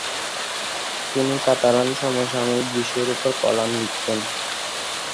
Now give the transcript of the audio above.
তিনি কাতালান সমসাময়িক বিষয়ের উপর কলাম লিখতেন।